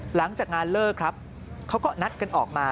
หลังจากงานเลิกครับเขาก็นัดกันออกมา